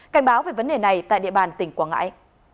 cảnh báo về vấn đề này tại địa bàn tỉnh quảng ngãi